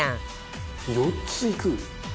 「４ついく？」